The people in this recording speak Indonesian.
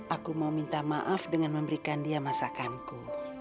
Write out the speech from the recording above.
aku mau minta maaf dengan memberikan dia masakanku